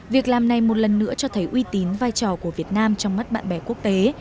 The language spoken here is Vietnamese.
việc làm này một lần nữa cho thấy uy tín vai trò của việt nam trong mắt bạn bè quốc tế